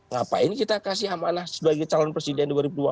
ngapain kita kasih amanah sebagai calon presiden dua ribu dua puluh